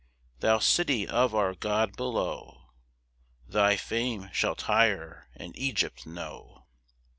Thou city of our God below, Thy fame shall Tyre and Egypt know.